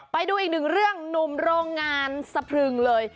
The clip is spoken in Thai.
ไปดูอีกหนึ่งเรื่องหนุ่มโรงงานสะพรึงเลย